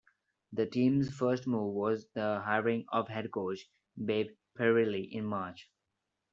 The team's first move was the hiring of Head Coach, Babe Parilli in March.